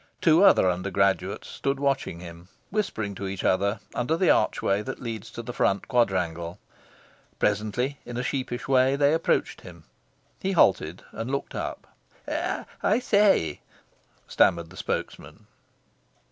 Two other undergraduates stood watching him, whispering to each other, under the archway that leads to the Front Quadrangle. Presently, in a sheepish way, they approached him. He halted and looked up. "I say," stammered the spokesman.